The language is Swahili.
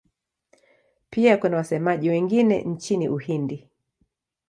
Pia kuna wasemaji wengine nchini Uhindi.